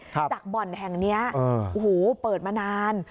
จากบ่อนแห่งเนี้ยโอ้โหเปิดมานาน